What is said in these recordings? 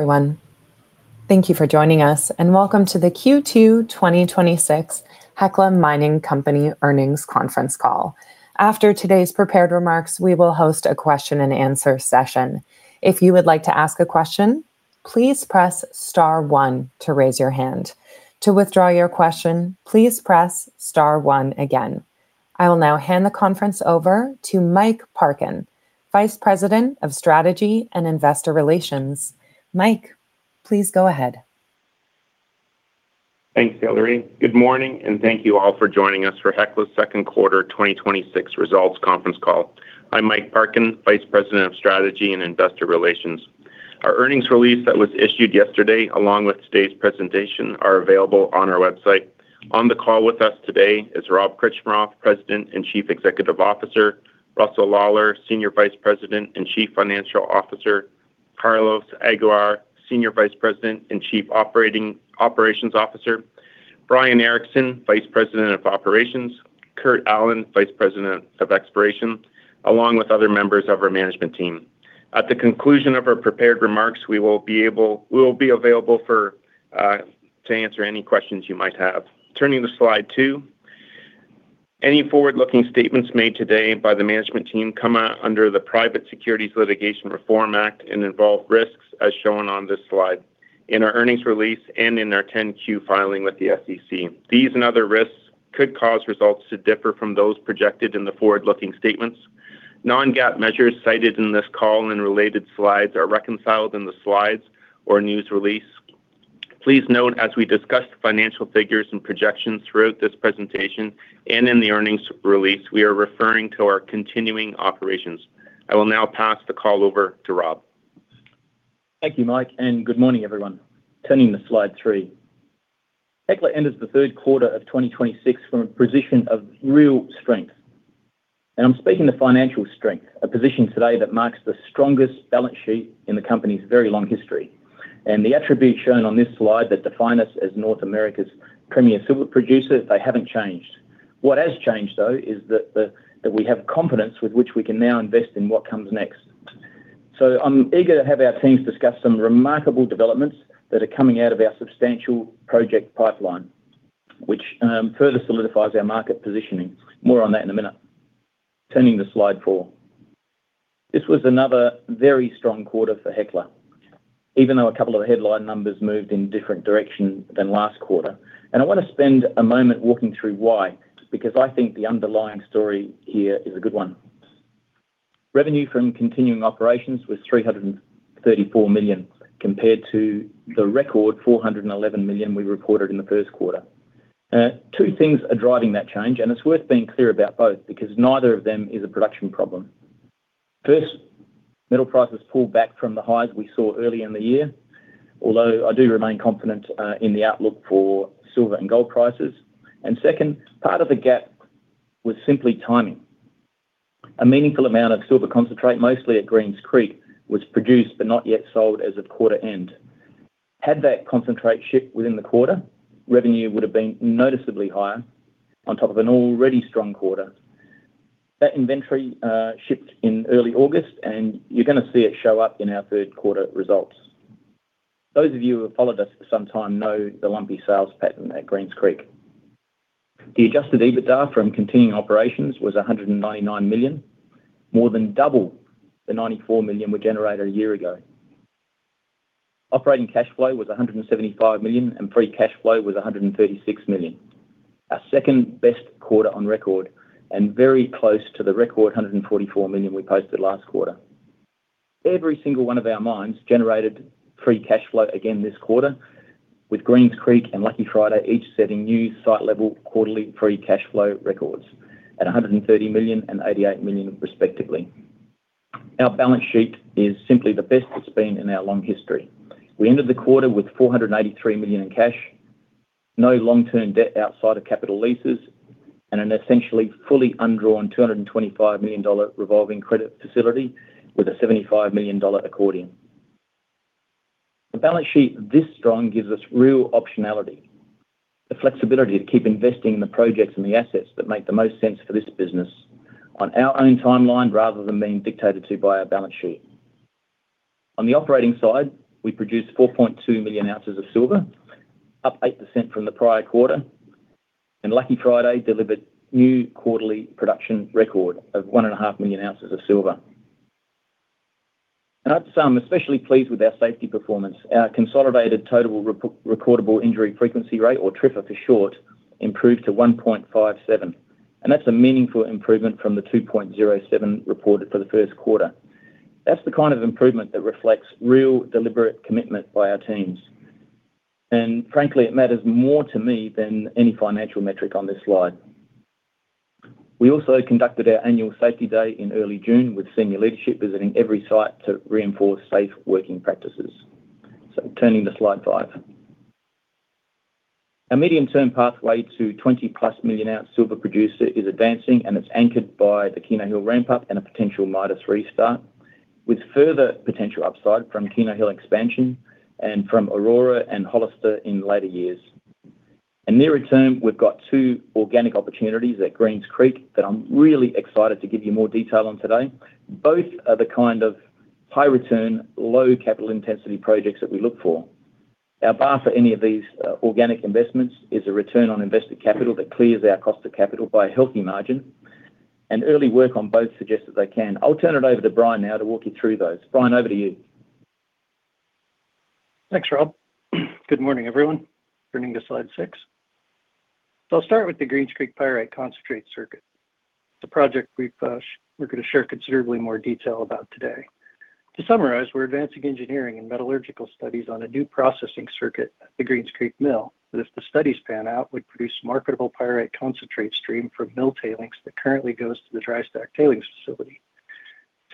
Everyone. Thank you for joining us. Welcome to the Q2 2026 Hecla Mining Company Earnings Conference Call. After today's prepared remarks, we will host a question and answer session. If you would like to ask a question, please press star one to raise your hand. To withdraw your question, please press star one again. I will now hand the conference over to Mike Parkin, Vice President of Strategy and Investor Relations. Mike, please go ahead. Thanks, Hilary. Good morning. Thank you all for joining us for Hecla's second quarter 2026 results conference call. I'm Mike Parkin, Vice President of Strategy and Investor Relations. Our earnings release that was issued yesterday, along with today's presentation, are available on our website. On the call with us today is Rob Krcmarov, President and Chief Executive Officer, Russell Lawlar, Senior Vice President and Chief Financial Officer, Carlos Aguiar, Senior Vice President and Chief Operating Officer, Brian Erickson, Vice President — Operations, Kurt Allen, Vice President of Exploration, along with other members of our management team. At the conclusion of our prepared remarks, we will be available to answer any questions you might have. Turning to slide two. Any forward-looking statements made today by the management team come under the Private Securities Litigation Reform Act of 1995 and involve risks as shown on this slide, in our earnings release, and in our 10-Q filing with the SEC. These other risks could cause results to differ from those projected in the forward-looking statements. Non-GAAP measures cited in this call and related slides are reconciled in the slides or news release. Please note, as we discuss financial figures and projections throughout this presentation and in the earnings release, we are referring to our continuing operations. I will now pass the call over to Rob. Thank you, Mike. Good morning, everyone. Turning to slide three. Hecla enters the third quarter of 2026 from a position of real strength. I'm speaking to financial strength, a position today that marks the strongest balance sheet in the company's very long history. The attributes shown on this slide that define us as North America's premier silver producer, they haven't changed. What has changed, though, is that we have confidence with which we can now invest in what comes next. I'm eager to have our teams discuss some remarkable developments that are coming out of our substantial project pipeline, which further solidifies our market positioning. More on that in a minute. Turning to slide four. This was another very strong quarter for Hecla, even though a couple of headline numbers moved in different direction than last quarter. I want to spend a moment walking through why, because I think the underlying story here is a good one. Revenue from continuing operations was $334 million, compared to the record $411 million we reported in the first quarter. Two things are driving that change, it's worth being clear about both because neither of them is a production problem. First, metal prices pulled back from the highs we saw early in the year, although I do remain confident in the outlook for silver and gold prices. Second, part of the gap was simply timing. A meaningful amount of silver concentrate, mostly at Greens Creek, was produced but not yet sold as of quarter end. Had that concentrate shipped within the quarter, revenue would've been noticeably higher on top of an already strong quarter. That inventory shipped in early August, you're going to see it show up in our third quarter results. Those of you who have followed us for some time know the lumpy sales pattern at Greens Creek. The adjusted EBITDA from continuing operations was $199 million, more than double the $94 million we generated a year ago. Operating cash flow was $175 million and free cash flow was $136 million. Our second-best quarter on record and very close to the record $144 million we posted last quarter. Every single one of our mines generated free cash flow again this quarter, with Greens Creek and Lucky Friday each setting new site-level quarterly free cash flow records at $130 million and $88 million respectively. Our balance sheet is simply the best it's been in our long history. We ended the quarter with $483 million in cash, no long-term debt outside of capital leases, and an essentially fully undrawn $225 million revolving credit facility with a $75 million accordion. A balance sheet this strong gives us real optionality, the flexibility to keep investing in the projects and the assets that make the most sense for this business on our own timeline, rather than being dictated to by our balance sheet. On the operating side, we produced 4.2 million ounces of silver, up 8% from the prior quarter, Lucky Friday delivered new quarterly production record of one and a half million ounces of silver. I'm especially pleased with our safety performance. Our consolidated total recordable injury frequency rate, or TRIFR for short, improved to 1.57, that's a meaningful improvement from the 2.07 reported for the first quarter. That's the kind of improvement that reflects real deliberate commitment by our teams. Frankly, it matters more to me than any financial metric on this slide. We also conducted our annual safety day in early June with senior leadership visiting every site to reinforce safe working practices. Turning to slide five. Our medium-term pathway to 20+ million-ounce silver producer is advancing, and it's anchored by the Keno Hill ramp up and a potential Midas restart, with further potential upside from Keno Hill expansion and from Aurora and Hollister in later years Near return, we've got two organic opportunities at Greens Creek that I'm really excited to give you more detail on today. Both are the kind of high-return, low-capital intensity projects that we look for. Our bar for any of these organic investments is a return on invested capital that clears our cost of capital by a healthy margin, early work on both suggests that they can. I'll turn it over to Brian now to walk you through those. Brian, over to you. Thanks, Rob. Good morning, everyone. Turning to slide six. I'll start with the Greens Creek pyrite concentrate circuit. It's a project we're going to share considerably more detail about today. To summarize, we're advancing engineering and metallurgical studies on a new processing circuit at the Greens Creek mill, that if the studies pan out, would produce marketable pyrite concentrate stream from mill tailings that currently goes to the dry stack tailings facility.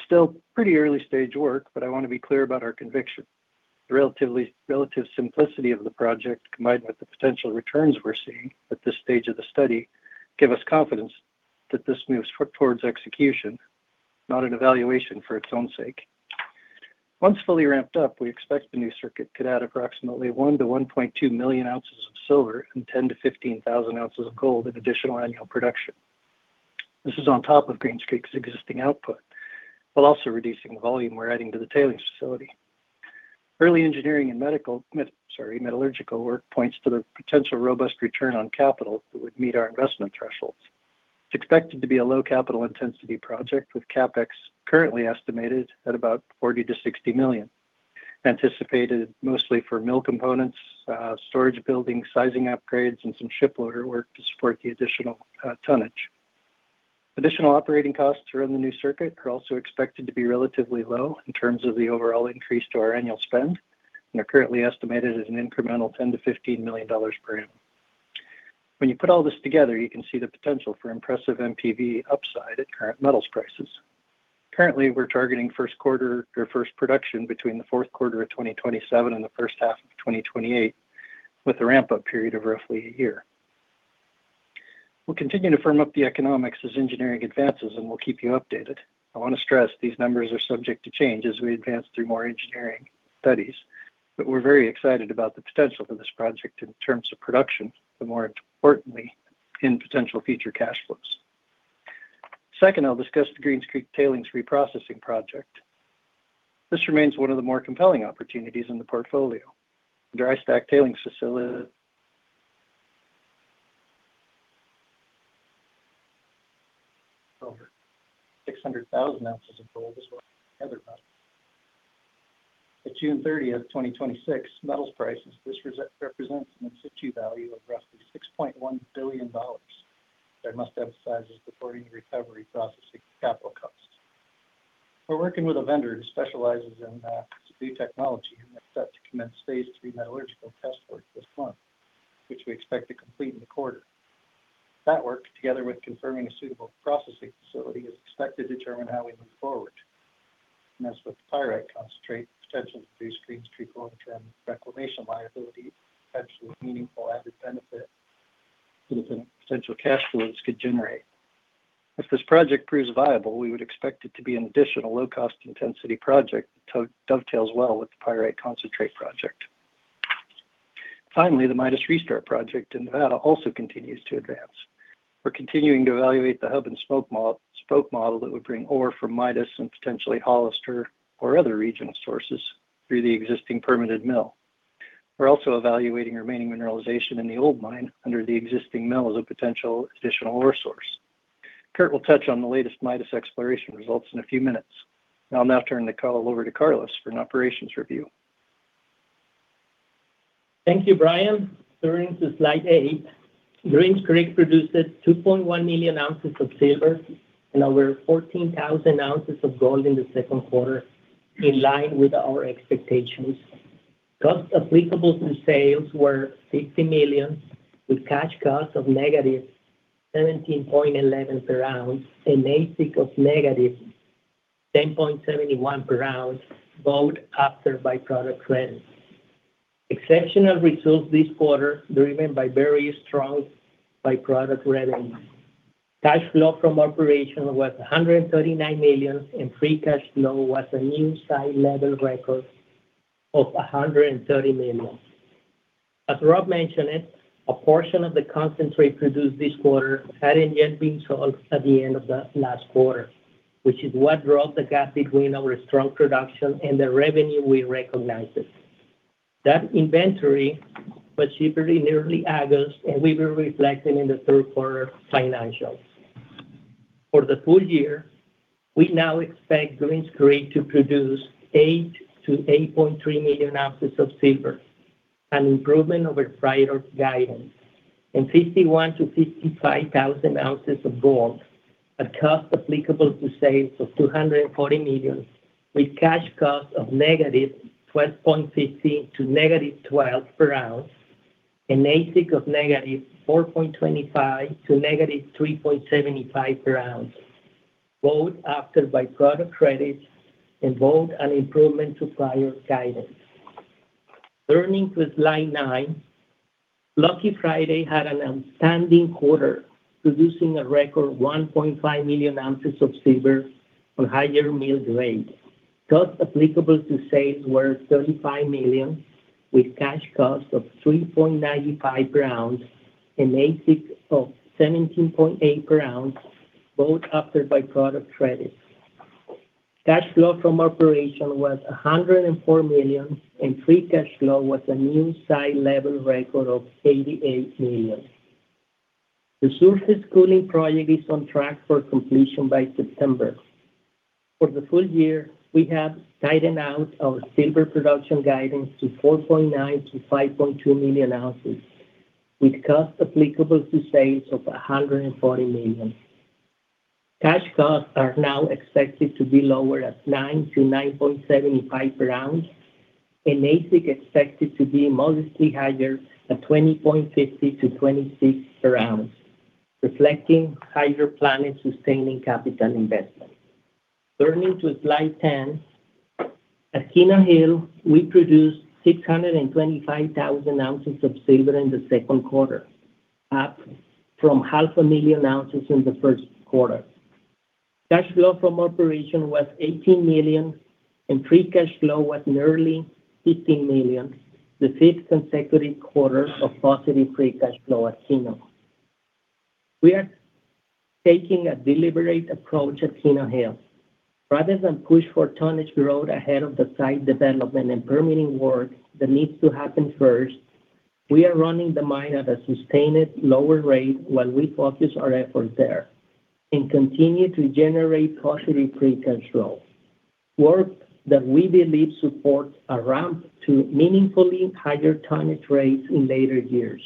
Still pretty early-stage work, but I want to be clear about our conviction. The relative simplicity of the project, combined with the potential returns we're seeing at this stage of the study, give us confidence that this moves towards execution, not an evaluation for its own sake. Once fully ramped up, we expect the new circuit could add approximately 1 million-1.2 million ounces of silver and 10,000-15,000 ounces of gold in additional annual production. This is on top of Greens Creek's existing output, while also reducing the volume we're adding to the tailings facility. Early engineering and metallurgical work points to the potential robust return on capital that would meet our investment thresholds. It's expected to be a low capital intensity project, with CapEx currently estimated at about $40 million -$60 million, anticipated mostly for mill components, storage building sizing upgrades, and some ship loader work to support the additional tonnage. Additional operating costs to run the new circuit are also expected to be relatively low in terms of the overall increase to our annual spend and are currently estimated as an incremental $10 million-$15 million per annum. When you put all this together, you can see the potential for impressive NPV upside at current metals prices. Currently, we're targeting first production between the fourth quarter of 2027 and the first half of 2028, with a ramp-up period of roughly a year. We'll continue to firm up the economics as engineering advances, we'll keep you updated. I want to stress these numbers are subject to change as we advance through more engineering studies, but we're very excited about the potential for this project in terms of production, but more importantly, in potential future cash flows. Second, I'll discuss the Greens Creek Tailings Reprocessing Project. This remains one of the more compelling opportunities in the portfolio. The dry stack tailings facility Over 600,000 ounces of gold as well as other metals. At June 30th, 2026, metals prices, this represents an in-situ value of roughly $6.1 billion. I must emphasize this before any recovery processing capital costs. We're working with a vendor who specializes in this new technology and are set to commence phase 3 metallurgical test work this month, which we expect to complete in the quarter. That work, together with confirming a suitable processing facility, is expected to determine how we move forward. As with the pyrite concentrate, potentially reduce Greens Creek long-term reclamation liability, potentially meaningful added benefit the potential cash flows could generate. If this project proves viable, we would expect it to be an additional low-cost intensity project that dovetails well with the Pyrite Concentrate Project. Finally, the Midas restart project in Nevada also continues to advance. We're continuing to evaluate the hub and spoke model that would bring ore from Midas and potentially Hollister or other regional sources through the existing permitted mill. We're also evaluating remaining mineralization in the old mine under the existing mill as a potential additional ore source. Kurt will touch on the latest Midas exploration results in a few minutes. I'll now turn the call over to Carlos for an operations review. Thank you, Brian. Turning to slide eight. Greens Creek produced 2.1 million ounces of silver and over 14,000 ounces of gold in the second quarter, in line with our expectations. Costs applicable to sales were $60 million, with cash costs of $-17.11 per ounce, and AISC of $-10.71 per ounce, both after by-product credits. Exceptional results this quarter driven by very strong by-product revenues. Cash flow from operation was $139 million, and free cash flow was a new site level record of $130 million. As Rob mentioned, a portion of the concentrate produced this quarter hadn't yet been sold at the end of the last quarter, which is what drove the gap between our strong production and the revenue we recognized. That inventory was shipped in early August, and will be reflected in the third quarter financials. For the full year, we now expect Greens Creek to produce 8 million-8.3 million ounces of silver, an improvement over prior guidance, and 51,000-55,000 ounces of gold at cost applicable to sales of $240 million, with cash cost of $-12.50to $-12 per ounce, an AISC of $-4.25 to $-3.75 per ounce, both after by-product credits, and both an improvement to prior guidance. Turning to slide nine. Lucky Friday had an outstanding quarter, producing a record 1.5 million ounces of silver on higher mill grade. Costs applicable to sales were $35 million, with cash costs of $3.95 per ounce and AISC of $17.8 per ounce, both after by-product credits. Cash flow from operation was $104 million, and free cash flow was a new site level record of $88 million. The surface cooling project is on track for completion by September. For the full year, we have tightened out our silver production guidance to 4.9 million-5.2 million ounces, with costs applicable to sales of $140 million. Cash costs are now expected to be lower at $9-$9.75 per ounce, and AISC expected to be modestly higher at $20.50-$26 per ounce, reflecting higher planned sustaining capital investment. Turning to slide 10. At Keno Hill, we produced 625,000 ounces of silver in the second quarter, up from half a million ounces in the first quarter. Cash flow from operation was $18 million, and free cash flow was nearly $15 million, the fifth consecutive quarter of positive free cash flow at Keno Hill. We are taking a deliberate approach at Keno Hill. Rather than push for tonnage growth ahead of the site development and permitting work that needs to happen first, we are running the mine at a sustained lower rate while we focus our efforts there and continue to generate positive free cash flow. Work that we believe supports a ramp to meaningfully higher tonnage rates in later years.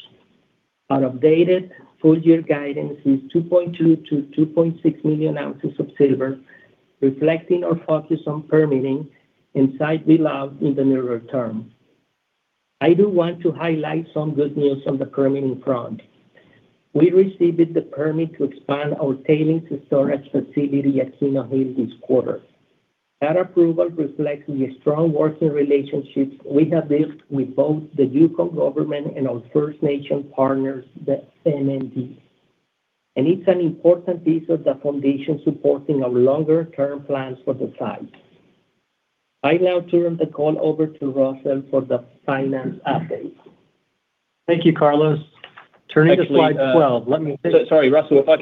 Our updated full year guidance is 2.2 million-2.6 million ounces of silver, reflecting our focus on permitting and site build out in the nearer term. I do want to highlight some good news on the permitting front. We received the permit to expand our tailings storage facility at Keno Hill this quarter. That approval reflects the strong working relationships we have built with both the Yukon government and our First Nations partner, the FNNND. It's an important piece of the foundation supporting our longer-term plans for the site. I now turn the call over to Russell for the finance update. Thank you, Carlos. Turning to slide 12. Sorry, Russell, if I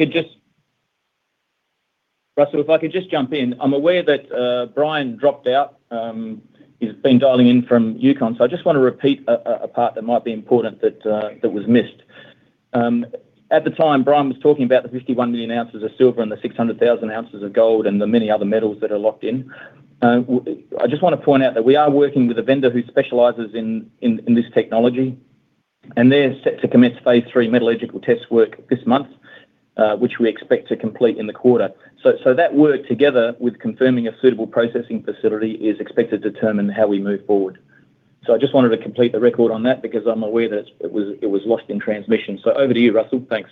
could just jump in. I'm aware that Brian dropped out. He's been dialing in from Yukon. I just want to repeat a part that might be important that was missed. At the time, Brian was talking about the 51 million ounces of silver and the 600,000 ounces of gold, and the many other metals that are locked in. I just want to point out that we are working with a vendor who specializes in this technology, and they're set to commence phase 3 metallurgical test work this month, which we expect to complete in the quarter. That work together with confirming a suitable processing facility is expected to determine how we move forward. I just wanted to complete the record on that because I'm aware that it was lost in transmission. Over to you, Russell. Thanks.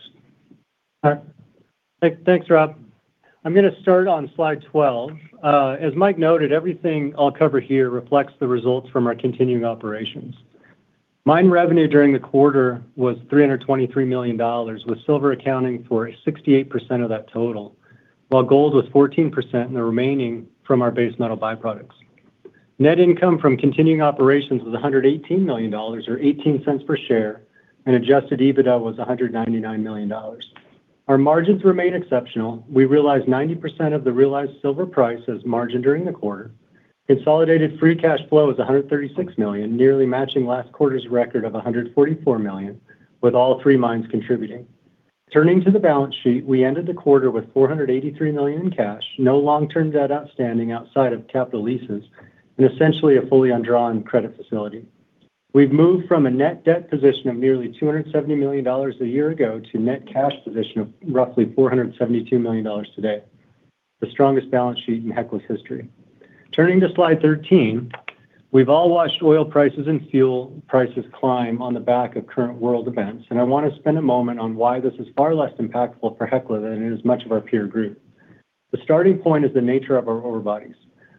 All right. Thanks, Rob. I'm going to start on slide 12. As Mike noted, everything I'll cover here reflects the results from our continuing operations. Mine revenue during the quarter was $323 million, with silver accounting for 68% of that total, while gold was 14% and the remaining from our base metal by-products. Net income from continuing operations was $118 million, or $0.18 per share, and adjusted EBITDA was $199 million. Our margins remain exceptional. We realized 90% of the realized silver price as margin during the quarter. Consolidated free cash flow is $136 million, nearly matching last quarter's record of $144 million, with all three mines contributing. Turning to the balance sheet, we ended the quarter with $483 million in cash, no long-term debt outstanding outside of capital leases, and essentially a fully undrawn credit facility. We've moved from a net debt position of nearly $270 million a year ago to a net cash position of roughly $472 million today. The strongest balance sheet in Hecla's history. Turning to slide 13. We've all watched oil prices and fuel prices climb on the back of current world events. I want to spend a moment on why this is far less impactful for Hecla than it is much of our peer group. The starting point is the nature of our ore bodies.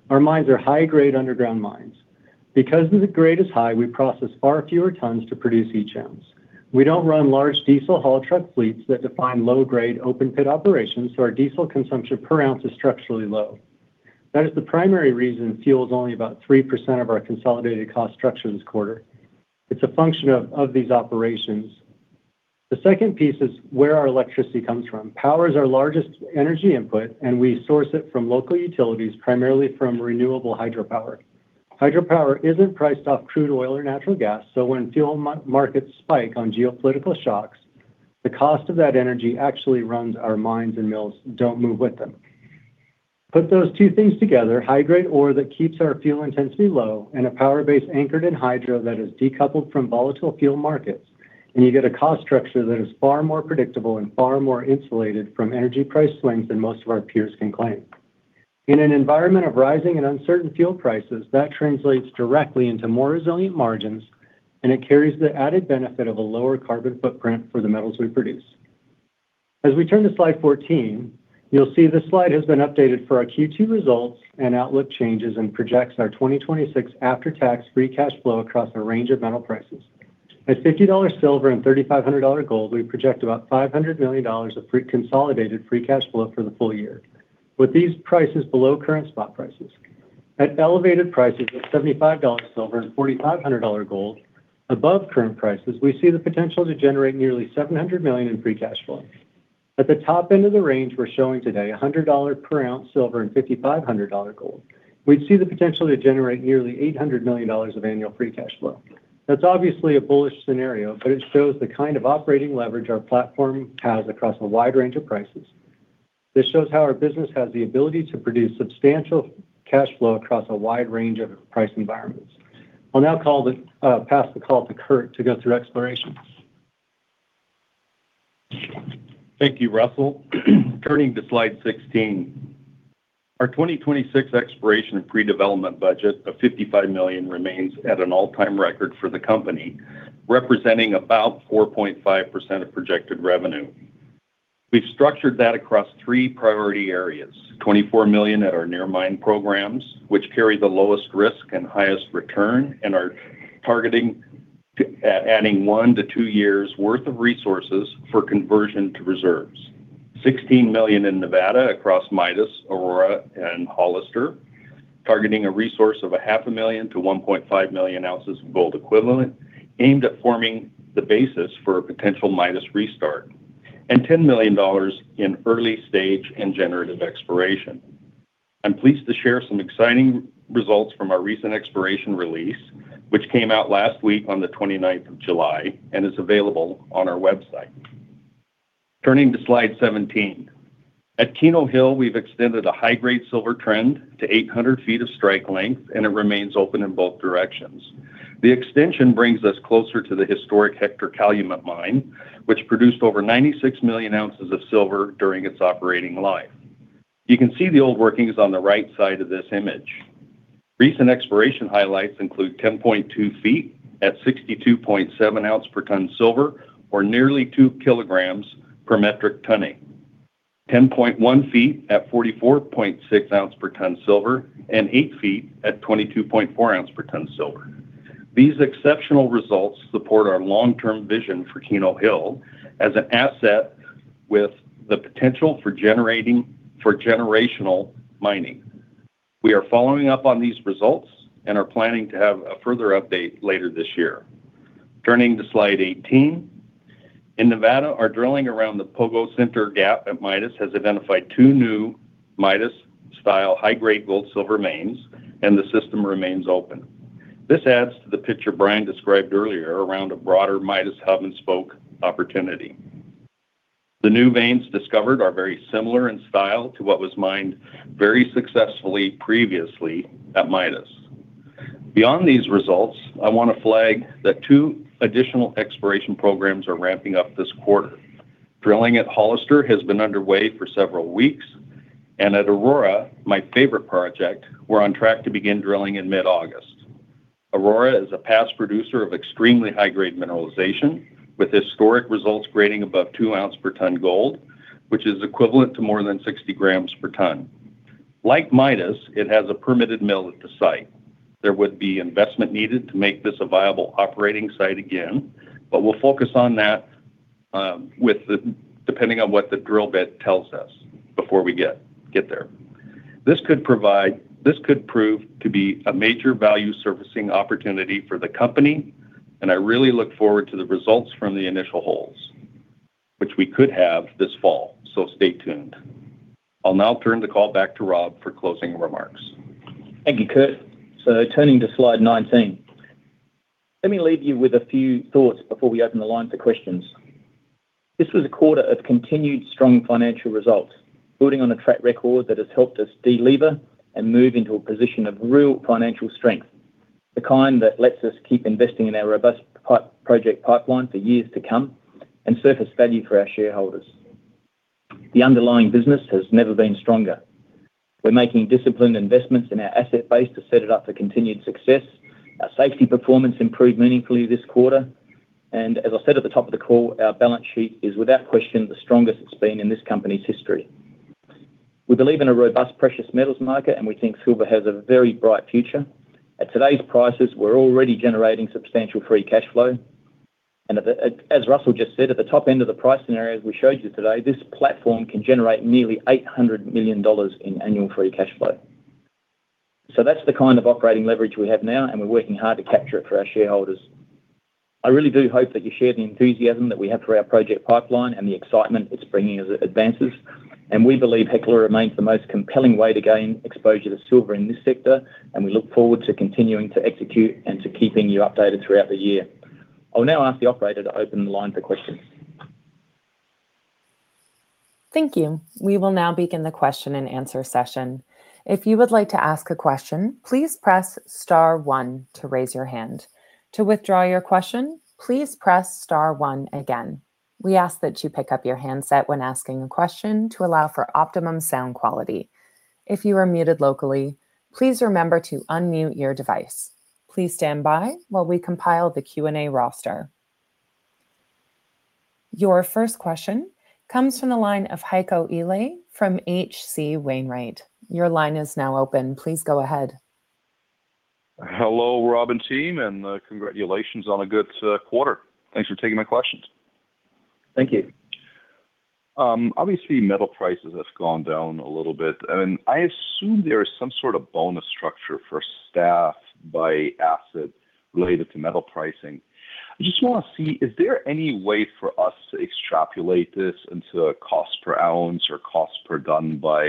Our mines are high-grade underground mines. Because the grade is high, we process far fewer tons to produce each ounce. We don't run large diesel haul truck fleets that define low-grade open pit operations. Our diesel consumption per ounce is structurally low. That is the primary reason fuel is only about 3% of our consolidated cost structure this quarter. It's a function of these operations. The second piece is where our electricity comes from. Power is our largest energy input. We source it from local utilities, primarily from renewable hydropower. Hydropower isn't priced off crude oil or natural gas. When fuel markets spike on geopolitical shocks, the cost of that energy actually runs our mines and mills don't move with them. Put those two things together, high-grade ore that keeps our fuel intensity low and a power base anchored in hydro that is decoupled from volatile fuel markets. You get a cost structure that is far more predictable and far more insulated from energy price swings than most of our peers can claim. In an environment of rising and uncertain fuel prices, that translates directly into more resilient margins. It carries the added benefit of a lower carbon footprint for the metals we produce. As we turn to slide 14, you'll see this slide has been updated for our Q2 results and outlook changes and projects our 2026 after-tax free cash flow across a range of metal prices. At $50 silver and $3,500 gold, we project about $500 million of consolidated free cash flow for the full year. With these prices below current spot prices. At elevated prices of $75 silver and $4,500 gold above current prices, we see the potential to generate nearly $700 million in free cash flow. At the top end of the range we're showing today, $100 per ounce silver and $5,500 gold, we'd see the potential to generate nearly $800 million of annual free cash flow. That's obviously a bullish scenario, it shows the kind of operating leverage our platform has across a wide range of prices. This shows how our business has the ability to produce substantial cash flow across a wide range of price environments. I'll now pass the call to Kurt to go through exploration. Thank you, Russell. Turning to slide 16. Our 2026 exploration and pre-development budget of $55 million remains at an all-time record for the company, representing about 4.5% of projected revenue. We've structured that across three priority areas, $24 million at our near mine programs, which carry the lowest risk and highest return and are targeting at adding one to two years worth of resources for conversion to reserves. $16 million in Nevada across Midas, Aurora, and Hollister, targeting a resource of a half a million to 1.5 million ounces of gold equivalent, aimed at forming the basis for a potential Midas restart. $10 million in early stage and generative exploration. I'm pleased to share some exciting results from our recent exploration release, which came out last week on the 29th of July and is available on our website. Turning to slide 17. At Keno Hill, we've extended a high-grade silver trend to 800 ft of strike length, and it remains open in both directions. The extension brings us closer to the historic Hector-Calumet Mine, which produced over 96 million ounces of silver during its operating life. You can see the old workings on the right side of this image. Recent exploration highlights include 10.2 ft at 62.7 ounce per ton silver, or nearly two kilograms per metric tonne. 10.1 ft at 44.6 ounce per ton silver, and 8 ft at 22.4 ounce per ton silver. These exceptional results support our long-term vision for Keno Hill as an asset with the potential for generational mining. We are following up on these results and are planning to have a further update later this year. Turning to slide 18. In Nevada, our drilling around the Sinter-Pogo Gap at Midas has identified two new Midas-style high-grade gold silver veins, and the system remains open. This adds to the picture Brian described earlier around a broader Midas hub-and-spoke opportunity. The new veins discovered are very similar in style to what was mined very successfully previously at Midas. Beyond these results, I want to flag that two additional exploration programs are ramping up this quarter. Drilling at Hollister has been underway for several weeks, and at Aurora, my favorite project, we're on track to begin drilling in mid-August. Aurora is a past producer of extremely high-grade mineralization, with historic results grading above 2 ounce per ton gold, which is equivalent to more than 60 g per ton. Like Midas, it has a permitted mill at the site. There would be investment needed to make this a viable operating site again, but we'll focus on that depending on what the drill bit tells us before we get there. This could prove to be a major value-surfacing opportunity for the company, and I really look forward to the results from the initial holes, which we could have this fall. Stay tuned. I'll now turn the call back to Rob for closing remarks. Thank you, Kurt. Turning to slide 19. Let me leave you with a few thoughts before we open the line for questions. This was a quarter of continued strong financial results, building on a track record that has helped us de-lever and move into a position of real financial strength, the kind that lets us keep investing in our robust project pipeline for years to come and surface value for our shareholders. The underlying business has never been stronger. We're making disciplined investments in our asset base to set it up for continued success. Our safety performance improved meaningfully this quarter. As I said at the top of the call, our balance sheet is without question, the strongest it's been in this company's history. We believe in a robust precious metals market, and we think silver has a very bright future. At today's prices, we're already generating substantial free cash flow. As Russell just said, at the top end of the price scenarios we showed you today, this platform can generate nearly $800 million in annual free cash flow. That's the kind of operating leverage we have now, and we're working hard to capture it for our shareholders. I really do hope that you share the enthusiasm that we have for our project pipeline and the excitement it's bringing as it advances. We believe Hecla remains the most compelling way to gain exposure to silver in this sector, and we look forward to continuing to execute and to keeping you updated throughout the year. I'll now ask the operator to open the line for questions. Thank you. We will now begin the question and answer session. If you would like to ask a question, please press star one to raise your hand. To withdraw your question, please press star one again. We ask that you pick up your handset when asking a question to allow for optimum sound quality. If you are muted locally, please remember to unmute your device. Please stand by while we compile the Q&A roster. Your first question comes from the line of Heiko Ihle from H.C. Wainwright & Co. Your line is now open. Please go ahead. Hello, Rob and team. Congratulations on a good quarter. Thanks for taking my questions. Thank you. Obviously, metal prices have gone down a little bit. I assume there is some sort of bonus structure for staff by asset related to metal pricing. I just want to see, is there any way for us to extrapolate this into a cost per ounce or cost per ton by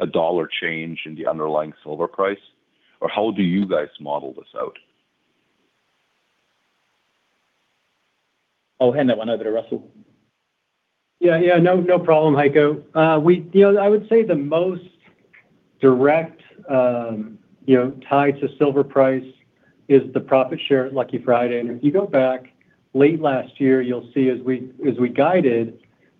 a dollar change in the underlying silver price? How do you guys model this out? I'll hand that one over to Russell. Yeah. No problem, Heiko. I would say the most direct tie to silver price is the profit share at Lucky Friday. If you go back late last year, you'll see as we guided,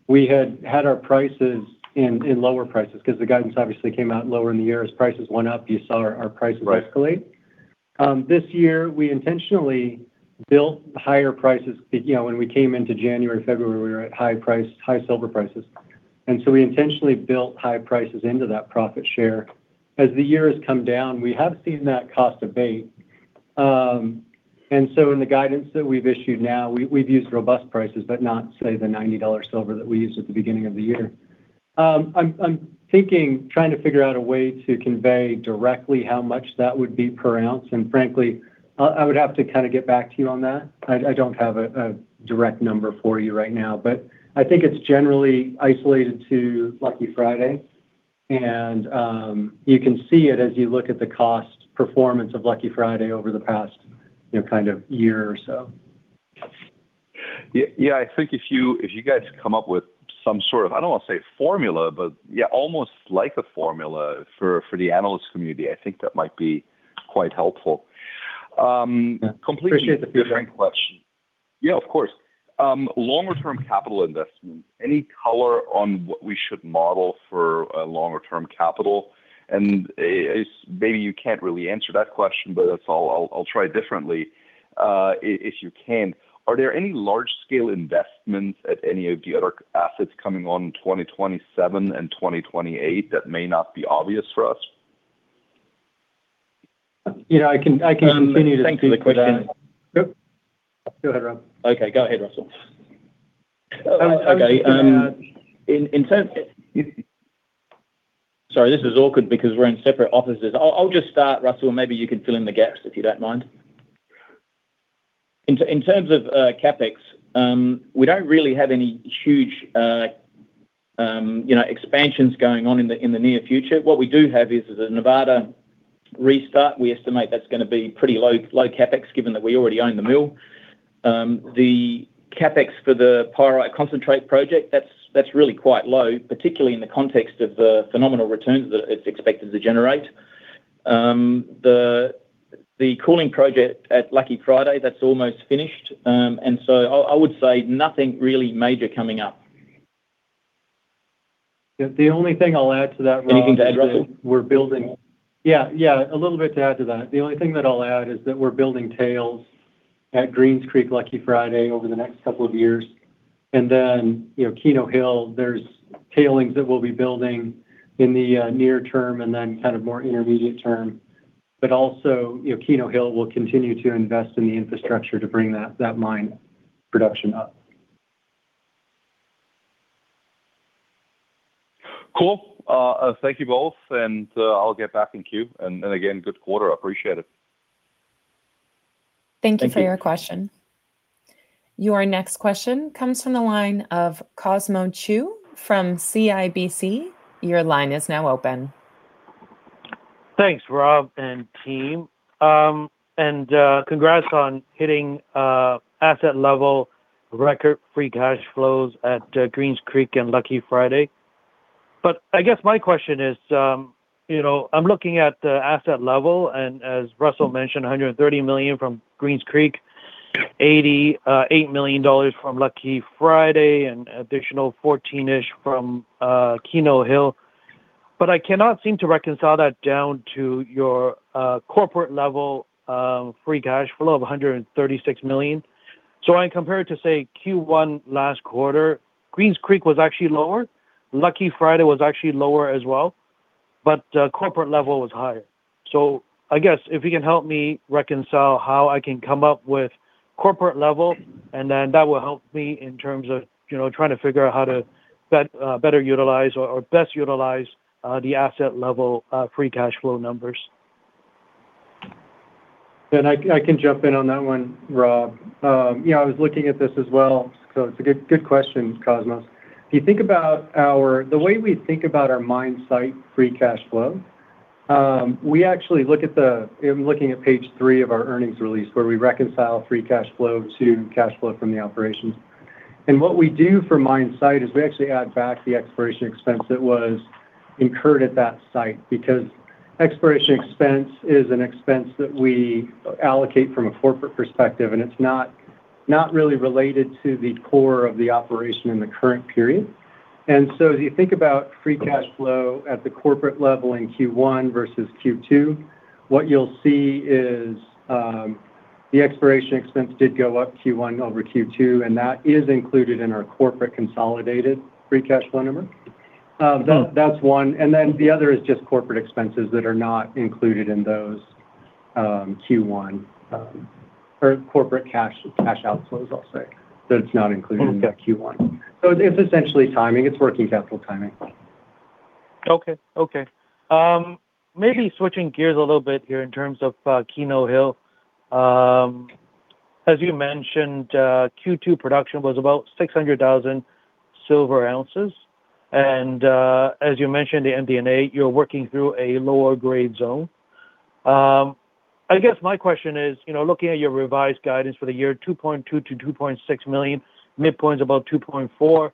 we had our prices in lower prices, because the guidance obviously came out lower in the year. As prices went up, you saw our prices escalate. Right. This year, we intentionally built the higher prices. When we came into January, February, we were at high silver prices. We intentionally built high prices into that profit share. As the year has come down, we have seen that cost abate. In the guidance that we've issued now, we've used robust prices, but not, say, the $90 silver that we used at the beginning of the year. I'm thinking, trying to figure out a way to convey directly how much that would be per ounce, and frankly, I would have to get back to you on that. I don't have a direct number for you right now. I think it's generally isolated to Lucky Friday, and you can see it as you look at the cost performance of Lucky Friday over the past year or so. Yeah. I think if you guys come up with some sort of, I don't want to say formula, but yeah, almost like a formula for the analyst community, I think that might be quite helpful. Appreciate the feedback. Complete different question. Yeah, of course. Longer term capital investment, any color on what we should model for a longer term capital? Maybe you can't really answer that question, but I'll try it differently. If you can, are there any large scale investments at any of the other assets coming on in 2027 and 2028 that may not be obvious for us? I can continue to speak to that. Thanks for the question. Go ahead, Rob. Okay, go ahead, Russell. I would say that. Sorry, this is awkward because we're in separate offices. I'll just start, Russell, and maybe you can fill in the gaps, if you don't mind. In terms of CapEx, we don't really have any huge expansions going on in the near future. What we do have is the Nevada restart. We estimate that's going to be pretty low CapEx, given that we already own the mill. The CapEx for the pyrite concentrate project, that's really quite low, particularly in the context of the phenomenal returns that it's expected to generate. The cooling project at Lucky Friday, that's almost finished. I would say nothing really major coming up. The only thing I'll add to that, Rob, is that we're building. Anything to add, Russell? Yeah, a little bit to add to that. The only thing that I'll add is that we're building tails at Green's Creek, Lucky Friday, over the next couple of years. Keno Hill, there's tailings that we'll be building in the near term and then more intermediate term. Keno Hill will continue to invest in the infrastructure to bring that mine production up. Cool. Thank you both, I'll get back in queue. Again, good quarter. I appreciate it. Thank you. Thank you for your question. Your next question comes from the line of Cosmos Chiu from CIBC. Your line is now open. Thanks, Rob and team. Congrats on hitting asset level record free cash flows at Greens Creek and Lucky Friday. I guess my question is, I'm looking at the asset level, and as Russell mentioned, $130 million from Greens Creek, $88 million from Lucky Friday, and additional $14-ish million from Keno Hill, I cannot seem to reconcile that down to your corporate level free cash flow of $136 million. I compare it to, say, Q1 last quarter, Greens Creek was actually lower. Lucky Friday was actually lower as well. The corporate level was higher. I guess if you can help me reconcile how I can come up with corporate level, and then that will help me in terms of trying to figure out how to better utilize or best utilize the asset level free cash flow numbers. I can jump in on that one, Rob. I was looking at this as well. It's a good question, Cosmos. The way we think about our mine site free cash flow, I'm looking at page three of our earnings release, where we reconcile free cash flow to cash flow from the operations. What we do for mine site is we actually add back the exploration expense that was incurred at that site, because exploration expense is an expense that we allocate from a corporate perspective, and it's not really related to the core of the operation in the current period. As you think about free cash flow at the corporate level in Q1 versus Q2. What you'll see is the exploration expense did go up Q1 over Q2, that is included in our corporate consolidated free cash flow number. Okay. That's one. The other is just corporate expenses that are not included in those Q1, or corporate cash outflows, I'll say. It's not included. Okay in the Q1. It's essentially timing. It's working capital timing. Okay. Maybe switching gears a little bit here in terms of Keno Hill. As you mentioned, Q2 production was about 600,000 silver ounces, and, as you mentioned, the MD&A, you're working through a lower grade zone. I guess my question is, looking at your revised guidance for the year, 2.2 million-2.6 million, midpoint's about 2.4 million,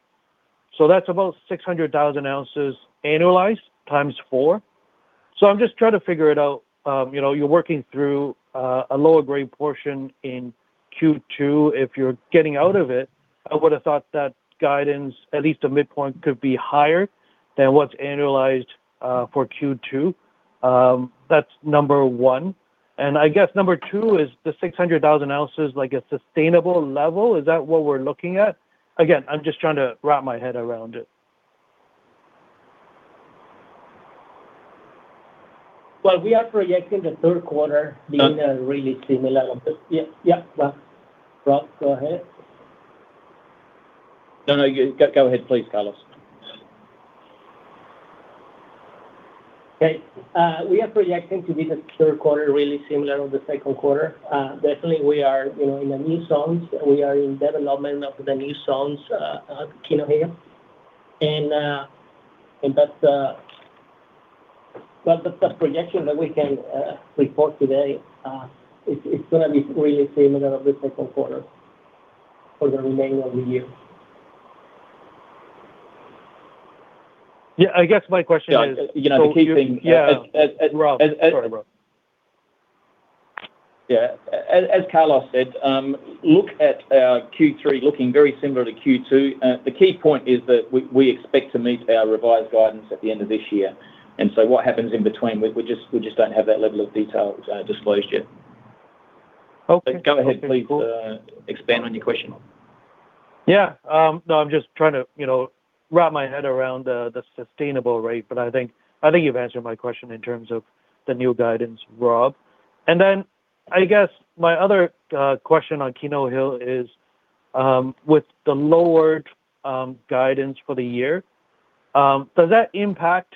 that's about 600,000 ounces annualized times four. I'm just trying to figure it out. You're working through a lower grade portion in Q2. If you're getting out of it, I would've thought that guidance, at least a midpoint, could be higher than what's annualized for Q2. That's number one. I guess number two is, the 600,000 ounces like a sustainable level? Is that what we're looking at? Again, I'm just trying to wrap my head around it. Well, we are projecting the third quarter- No being really similar. Yeah. Rob, go ahead. No, go ahead please, Carlos. Okay. We are projecting to be the third quarter really similar to the second quarter. Definitely we are in the new zones. We are in development of the new zones at Keno Hill. That's the best projection that we can report today. It's going to be really similar to the second quarter for the remainder of the year. Yeah, I guess my question is. Yeah, the key thing. Yeah. Rob, sorry, Rob. Yeah. As Carlos said, look at our Q3 looking very similar to Q2. The key point is that we expect to meet our revised guidance at the end of this year. What happens in between, we just don't have that level of detail disclosed yet. Okay. Go ahead, please, expand on your question. Yeah. No, I'm just trying to wrap my head around the sustainable rate, but I think you've answered my question in terms of the new guidance, Rob. I guess my other question on Keno Hill is, with the lowered guidance for the year, does that impact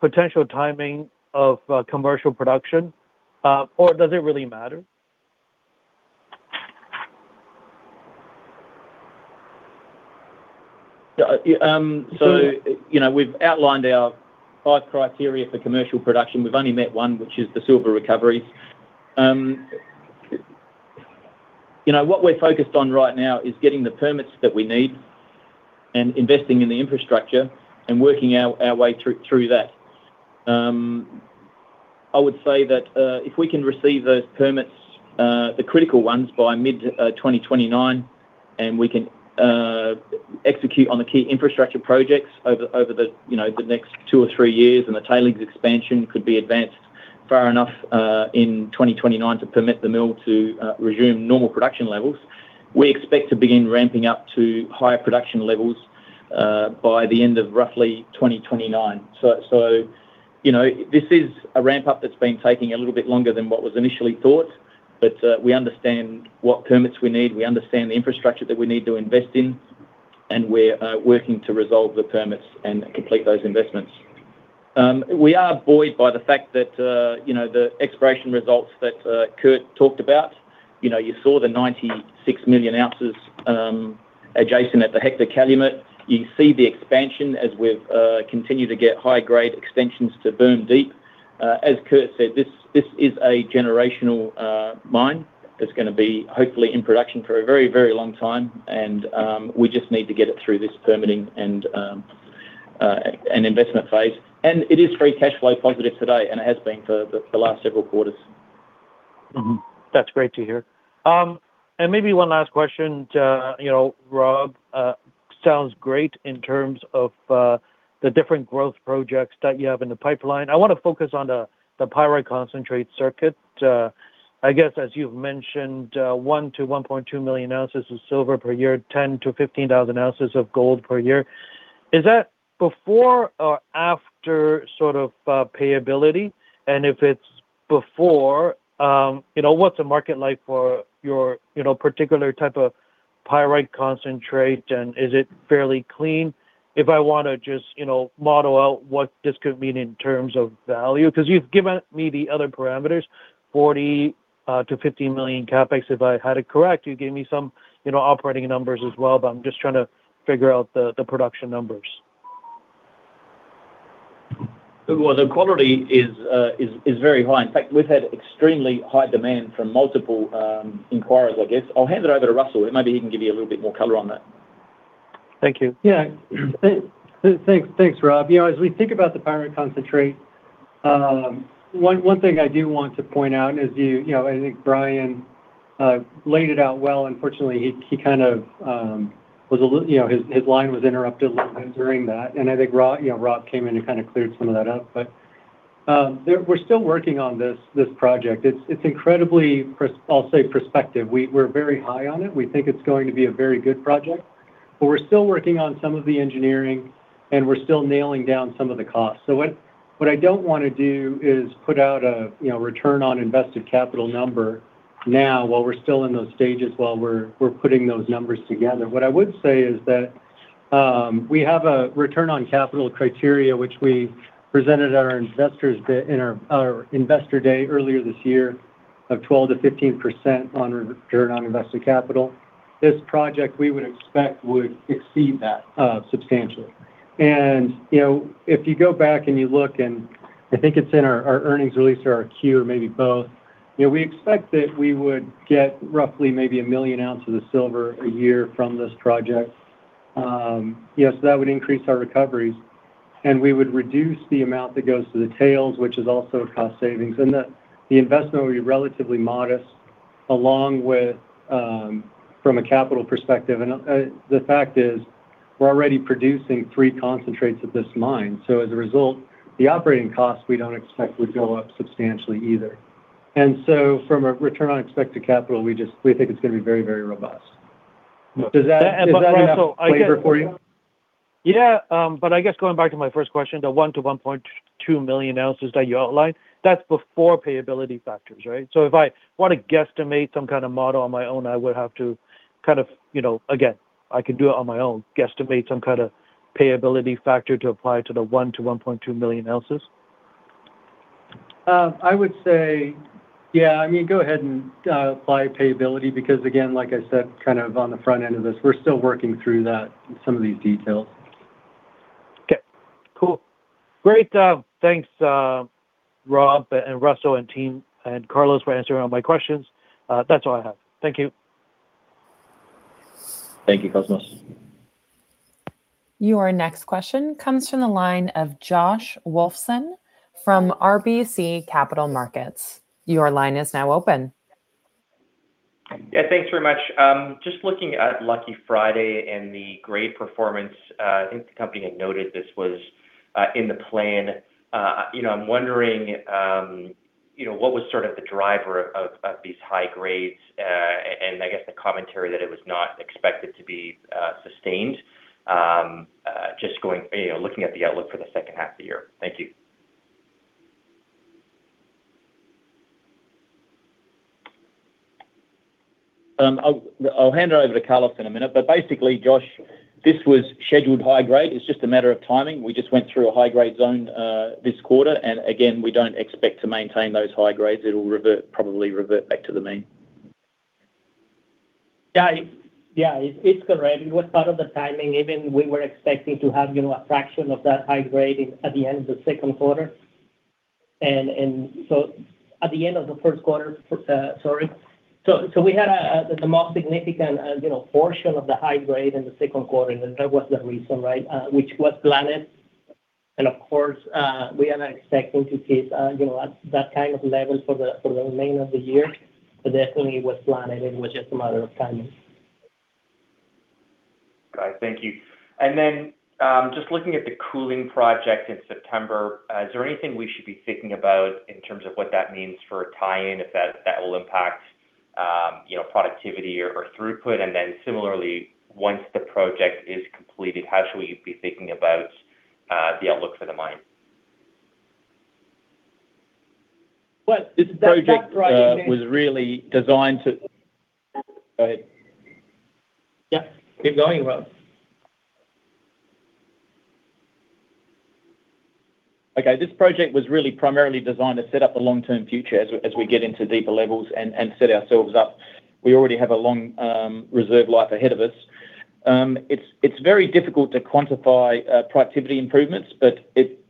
potential timing of commercial production? Does it really matter? We've outlined our five criteria for commercial production. We've only met one, which is the silver recovery. What we're focused on right now is getting the permits that we need and investing in the infrastructure and working our way through that. I would say that if we can receive those permits, the critical ones, by mid-2029, and we can execute on the key infrastructure projects over the next two or three years and the tailings expansion could be advanced far enough in 2029 to permit the mill to resume normal production levels, we expect to begin ramping up to higher production levels by the end of roughly 2029. This is a ramp-up that's been taking a little bit longer than what was initially thought, but we understand what permits we need, we understand the infrastructure that we need to invest in, and we're working to resolve the permits and complete those investments. We are buoyed by the fact that the exploration results that Kurt talked about. You saw the 96 million ounces adjacent at the Hector-Calumet. You see the expansion as we've continued to get high-grade extensions to Bermingham Deep. As Kurt said, this is a generational mine that's going to be hopefully in production for a very long time, and we just need to get it through this permitting and investment phase. It is very cash flow positive today, and it has been for the last several quarters. That's great to hear. And maybe one last question. Rob, sounds great in terms of the different growth projects that you have in the pipeline. I want to focus on the pyrite concentrate circuit. I guess as you've mentioned, 1 million-1.2 million ounces of silver per year, 10,000-15,000 ounces of gold per year. Is that before or after payability? And if it's before, what's the market like for your particular type of pyrite concentrate, and is it fairly clean? If I want to just model out what this could mean in terms of value, because you've given me the other parameters, $40 million-$50 million CapEx, if I had it correct. You gave me some operating numbers as well, but I'm just trying to figure out the production numbers. Well, the quality is very high. In fact, we've had extremely high demand from multiple inquirers, I guess. I'll hand it over to Russell, and maybe he can give you a little bit more color on that. Thank you. Yeah. Thanks, Rob. As we think about the pyrite concentrate, one thing I do want to point out is, I think Brian laid it out well. Unfortunately, his line was interrupted a little bit during that, and I think Rob came in and cleared some of that up. We're still working on this project. It's incredibly, I'll say, prospective. We're very high on it. We think it's going to be a very good project, but we're still working on some of the engineering, and we're still nailing down some of the costs. What I don't want to do is put out a return on invested capital number now while we're still in those stages, while we're putting those numbers together. What I would say is that we have a return on capital criteria, which we presented at our investor day earlier this year, of 12%-15% on return on invested capital. This project, we would expect, would exceed that substantially. If you go back and you look, and I think it's in our earnings release or our 10-Q or maybe both, we expect that we would get roughly maybe 1 million ounce of the silver a year from this project. Yes, that would increase our recoveries, and we would reduce the amount that goes to the tails, which is also a cost savings. The investment will be relatively modest from a capital perspective. The fact is, we're already producing three concentrates at this mine, as a result, the operating costs, we don't expect would go up substantially either. From a return on expected capital, we think it's going to be very robust. Does that? also, I guess. have flavor for you? Yeah. I guess going back to my first question, the 1 million-1.2 million ounces that you outlined, that's before payability factors, right? If I want to guesstimate some kind of model on my own, I would have to, again, I can do it on my own, guesstimate some kind of payability factor to apply to the 1 million-1.2 million ounces? I would say, yeah. Go ahead and apply payability because, again, like I said, on the front end of this, we're still working through some of these details. Okay, cool. Great. Thanks, Rob and Russell and team and Carlos for answering all my questions. That's all I have. Thank you. Thank you, Cosmos. Your next question comes from the line of Josh Wolfson from RBC Capital Markets. Your line is now open. Yeah, thanks very much. Just looking at Lucky Friday and the grade performance. I think the company had noted this was in the plan. I'm wondering, what was sort of the driver of these high grades and, I guess, the commentary that it was not expected to be sustained, just looking at the outlook for the second half of the year. Thank you. I'll hand it over to Carlos in a minute. Basically, Josh, this was scheduled high grade. It's just a matter of timing. We just went through a high-grade zone this quarter. Again, we don't expect to maintain those high grades. It'll probably revert back to the mean. Yeah. It's correct. It was part of the timing. Even we were expecting to have a fraction of that high grade at the end of the second quarter. At the end of the first quarter, sorry. We had the most significant portion of the high grade in the second quarter, and that was the reason. Which was planned, and of course, we are not expecting to see that kind of level for the remainder of the year. Definitely, it was planned, and it was just a matter of timing. Right. Thank you. Just looking at the cooling project in September, is there anything we should be thinking about in terms of what that means for tie-in, if that will impact productivity or throughput? Similarly, once the project is completed, how should we be thinking about the outlook for the mine? Well, this project That project name was really designed to Go ahead. Yeah. Keep going, Rob. Okay. This project was really primarily designed to set up the long-term future as we get into deeper levels and set ourselves up. We already have a long reserve life ahead of us. It's very difficult to quantify productivity improvements, but it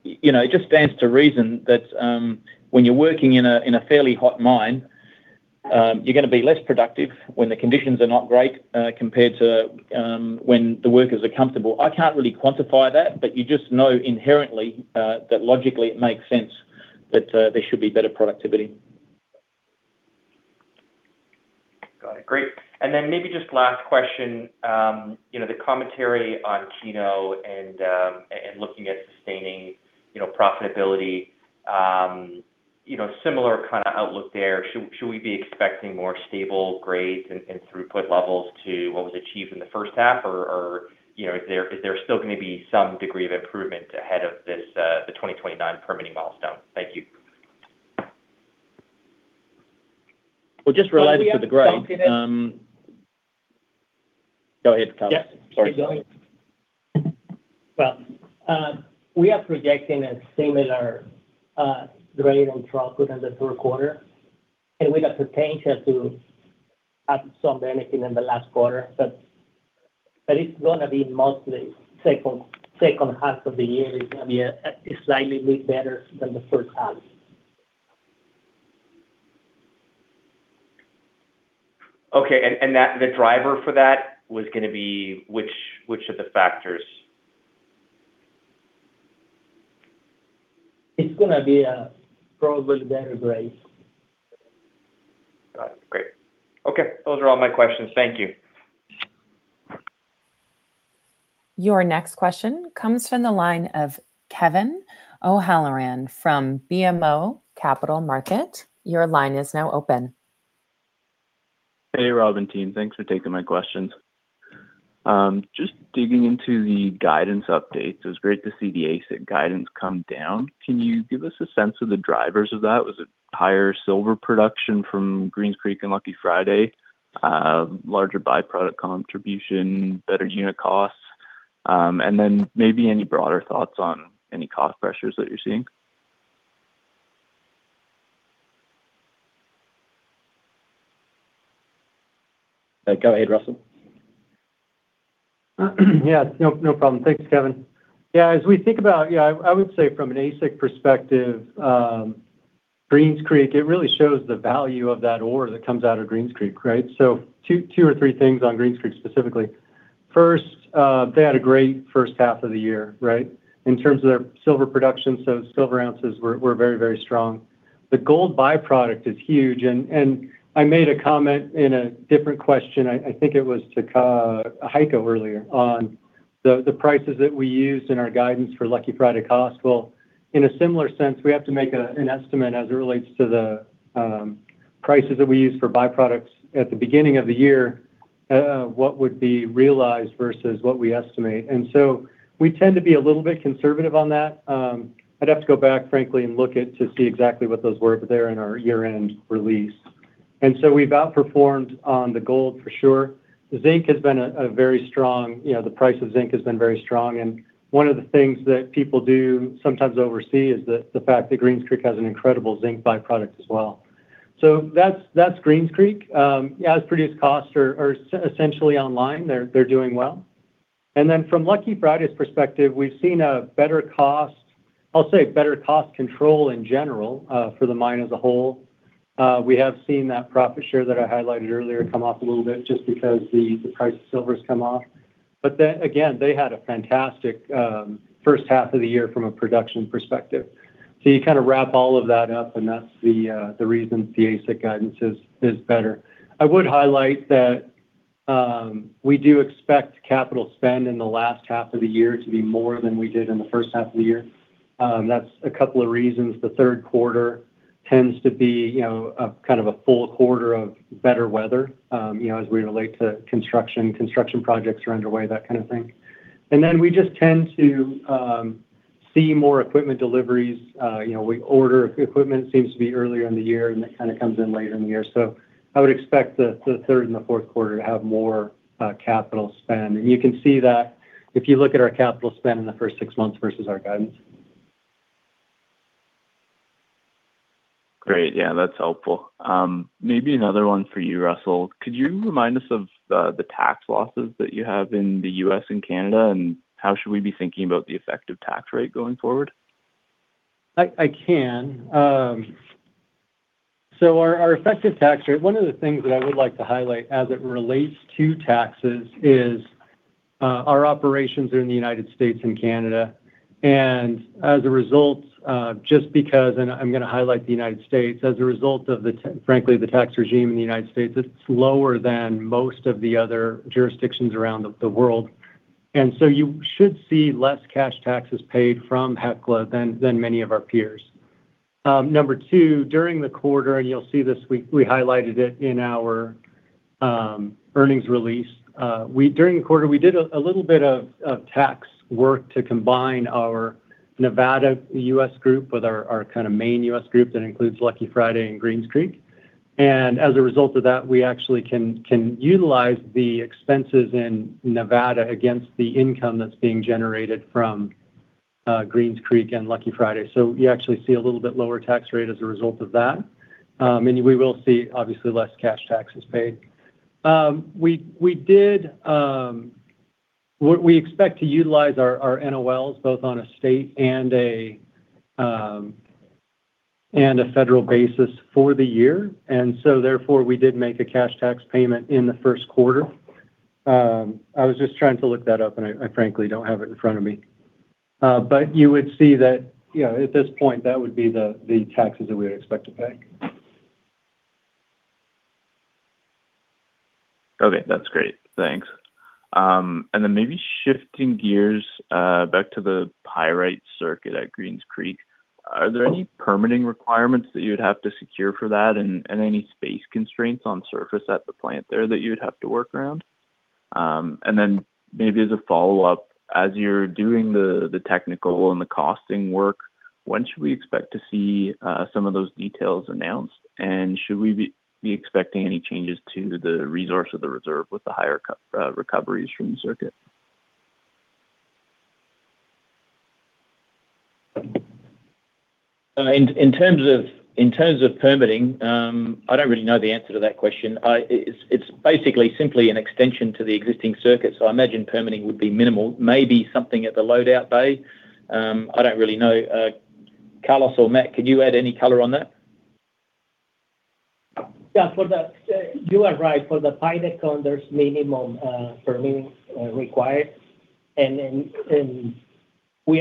just stands to reason that when you're working in a fairly hot mine, you're going to be less productive when the conditions are not great compared to when the workers are comfortable. I can't really quantify that, but you just know inherently that logically it makes sense that there should be better productivity. Got it. Great. Maybe just last question, the commentary on Keno Hill and looking at sustaining profitability, similar kind of outlook there. Should we be expecting more stable grades and throughput levels to what was achieved in the first half, or is there still going to be some degree of improvement ahead of the 2029 permitting milestone? Thank you. Well, just related to the grade- Well, we are forecasting it. Go ahead, Carlos. Yeah. Sorry. Keep going. Well, we are projecting a similar grade and throughput in the third quarter. We got the potential to have some benefit in the last quarter. It's going to be mostly second half of the year. It's going to be slightly bit better than the first half. Okay. The driver for that was going to be which of the factors? It's going to be probably very great. Got it. Great. Okay. Those are all my questions. Thank you. Your next question comes from the line of Kevin O'Halloran from BMO Capital Markets. Your line is now open. Hey, Rob and team. Thanks for taking my questions. Just digging into the guidance updates, it was great to see the AISC guidance come down. Can you give us a sense of the drivers of that? Was it higher silver production from Greens Creek and Lucky Friday, larger by-product contribution, better unit costs? Maybe any broader thoughts on any cost pressures that you're seeing. Go ahead, Russell. Yeah. No problem. Thanks, Kevin. I would say from an AISC perspective, Greens Creek, it really shows the value of that ore that comes out of Greens Creek, right? Two or three things on Greens Creek specifically. First, they had a great first half of the year, right? In terms of their silver production. Silver ounces were very strong. The gold by-product is huge. I made a comment in a different question, I think it was to Heiko earlier, on the prices that we used in our guidance for Lucky Friday cost. Well, in a similar sense, we have to make an estimate as it relates to the prices that we used for by-products at the beginning of the year, what would be realized versus what we estimate. We tend to be a little bit conservative on that. I'd have to go back frankly and look it to see exactly what those were, but they're in our year-end release. We've outperformed on the gold for sure. The price of zinc has been very strong, and one of the things that people do sometimes oversee is the fact that Greens Creek has an incredible zinc by-product as well. That's Greens Creek. As produced costs are essentially online, they're doing well. From Lucky Friday's perspective, we've seen a better cost control in general, for the mine as a whole. We have seen that profit share that I highlighted earlier come off a little bit just because the price of silver's come off. They had a fantastic first half of the year from a production perspective. You kind of wrap all of that up and that's the reason the AISC guidance is better. I would highlight that we do expect capital spend in the last half of the year to be more than we did in the first half of the year. That's a couple of reasons. The third quarter tends to be a full quarter of better weather as we relate to construction. Construction projects are underway, that kind of thing. We just tend to see more equipment deliveries. We order equipment, seems to be earlier in the year, and it kind of comes in later in the year. I would expect the third and the fourth quarter to have more capital spend. You can see that if you look at our capital spend in the first six months versus our guidance. Great. Yeah, that's helpful. Maybe another one for you, Russell. Could you remind us of the tax losses that you have in the U.S. and Canada, and how should we be thinking about the effective tax rate going forward? I can. Our effective tax rate, one of the things that I would like to highlight as it relates to taxes is our operations are in the United States and Canada. I'm going to highlight the United States, as a result of, frankly, the tax regime in the United States, it's lower than most of the other jurisdictions around the world. You should see less cash taxes paid from Hecla than many of our peers. Number two, during the quarter, and you'll see this, we highlighted it in our earnings release. During the quarter, we did a little bit of tax work to combine our Nevada U.S. group with our main U.S. group. That includes Lucky Friday and Greens Creek. As a result of that, we actually can utilize the expenses in Nevada against the income that's being generated from Greens Creek and Lucky Friday. You actually see a little bit lower tax rate as a result of that. We will see, obviously, less cash taxes paid. We expect to utilize our NOLs both on a state and a federal basis for the year. Therefore, we did make a cash tax payment in the first quarter. I was just trying to look that up, and I frankly don't have it in front of me. You would see that at this point, that would be the taxes that we would expect to pay. Okay. That's great. Thanks. Maybe shifting gears back to the pyrite circuit at Greens Creek. Are there any permitting requirements that you would have to secure for that, and any space constraints on surface at the plant there that you would have to work around? Maybe as a follow-up, as you're doing the technical and the costing work, when should we expect to see some of those details announced? Should we be expecting any changes to the resource of the reserve with the higher recoveries from the circuit? In terms of permitting, I don't really know the answer to that question. It's basically simply an extension to the existing circuit, I imagine permitting would be minimal. Maybe something at the load out bay. I don't really know. Carlos or Matt, could you add any color on that? Yeah. You are right. For the pyrite, there's minimum permitting required. We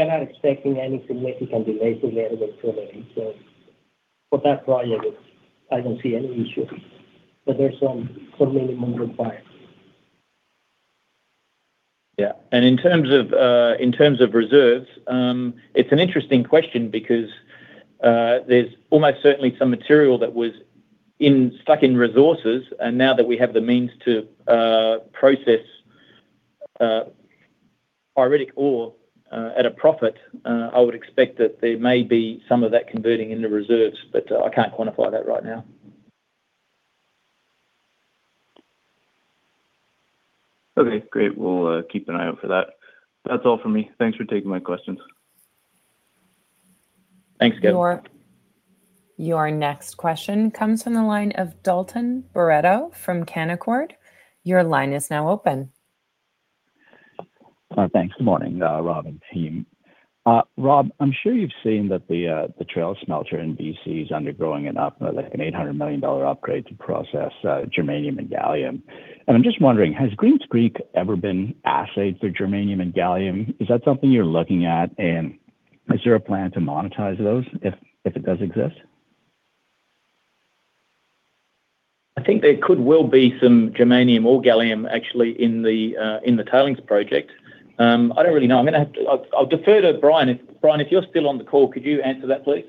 are not expecting any significant delays related to that. For that project, I don't see any issues. There are some minimum requirements. Yeah. In terms of reserves, it's an interesting question because there's almost certainly some material that was stuck in resources. Now that we have the means to process pyritic ore at a profit, I would expect that there may be some of that converting into reserves. I can't quantify that right now. Okay, great. We'll keep an eye out for that. That's all for me. Thanks for taking my questions. Thanks, Kevin. Your next question comes from the line of Dalton Baretto from Canaccord. Your line is now open. Thanks. Morning, Rob and team. Rob, I'm sure you've seen that the Trail smelter in BC is undergoing an $800 million upgrade to process germanium and gallium. I'm just wondering, has Greens Creek ever been assayed for germanium and gallium? Is that something you're looking at, and is there a plan to monetize those if it does exist? I think there could well be some germanium or gallium actually in the tailings project. I don't really know. I'll defer to Brian. Brian, if you're still on the call, could you answer that, please?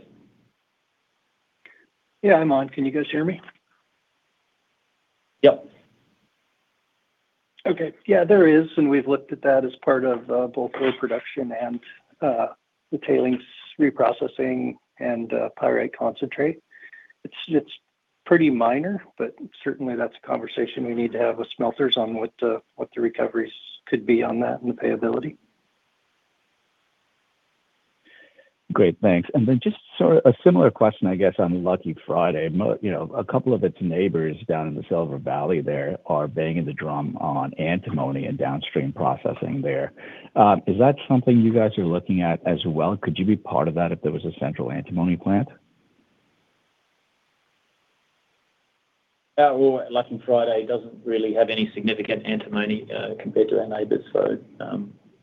Yeah, I'm on. Can you guys hear me? Yep. Okay. Yeah, there is, we've looked at that as part of both ore production and the tailings reprocessing and pyrite concentrate. It's pretty minor, certainly that's a conversation we need to have with smelters on what the recoveries could be on that and the payability. Great, thanks. Just a similar question, I guess, on Lucky Friday. A couple of its neighbors down in the Silver Valley there are banging the drum on antimony and downstream processing there. Is that something you guys are looking at as well? Could you be part of that if there was a central antimony plant? Yeah. Well, Lucky Friday doesn't really have any significant antimony compared to our neighbors,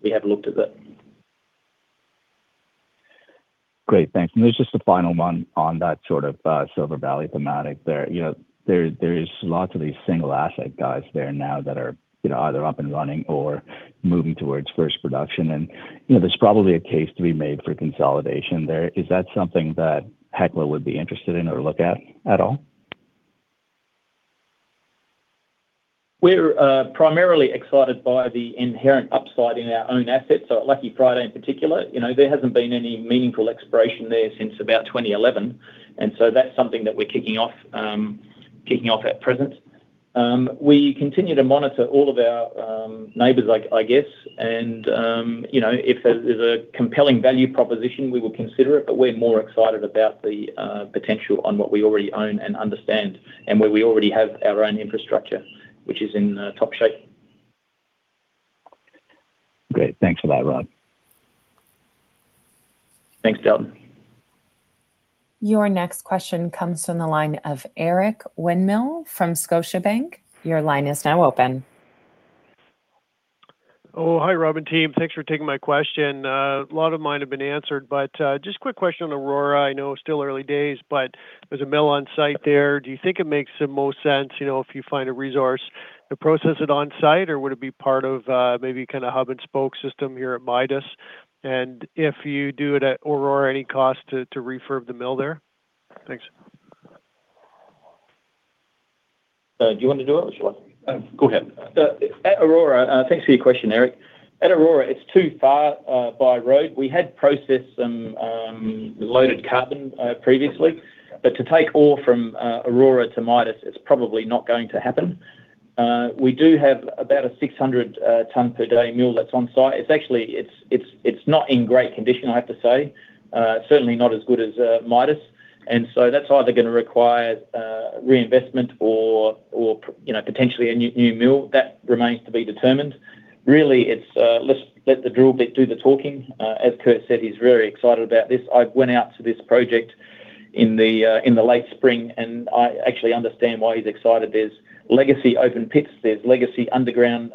we have looked at it. Great, thanks. There's just a final one on that sort of Silver Valley thematic there. There is lots of these single-asset guys there now that are either up and running or moving towards first production. There's probably a case to be made for consolidation there. Is that something that Hecla would be interested in or look at all? We're primarily excited by the inherent upside in our own assets. At Lucky Friday in particular, there hasn't been any meaningful exploration there since about 2011. That's something that we're kicking off at present. We continue to monitor all of our neighbors, I guess. If there's a compelling value proposition, we will consider it. We're more excited about the potential on what we already own and understand and where we already have our own infrastructure, which is in top shape. Great. Thanks for that, Rob. Thanks, Dalton. Your next question comes from the line of Eric Winmill from Scotiabank. Your line is now open. Hi, Rob and team. Thanks for taking my question. A lot of mine have been answered, but just a quick question on Aurora. I know it's still early days, but there's a mill on site there. Do you think it makes the most sense if you find a resource to process it on-site, or would it be part of maybe a hub and spoke system here at Midas? If you do it at Aurora, any cost to refurb the mill there? Thanks. Do you want to do it or shall I? Go ahead. Thanks for your question, Eric. At Aurora, it's too far by road. We had processed some loaded carbon previously. To take ore from Aurora to Midas, it's probably not going to happen. We do have about a 600-tonne per day mill that's on site. It's not in great condition, I have to say. Certainly not as good as Midas. That's either going to require reinvestment or potentially a new mill. That remains to be determined. Really, it's let the drill bit do the talking. As Kurt said, he's very excited about this. I went out to this project in the late spring, and I actually understand why he's excited. There's legacy open pits, there's legacy underground